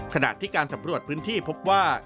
ขณะที่การสำรวจพื้นที่พบว่า